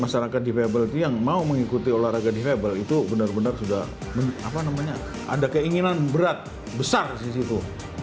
masyarakat di febel itu yang mau mengikuti olahraga di febel itu benar benar sudah apa namanya ada keinginan berat besar di situ